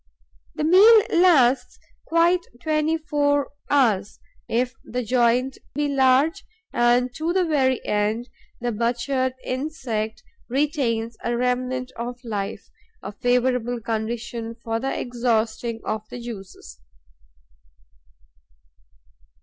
The meal lasts quite twenty four hours, if the joint be large; and to the very end the butchered insect retains a remnant of life, a favourable condition for the exhausting of the juices.